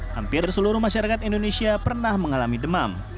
hampir seluruh masyarakat indonesia pernah mengalami demam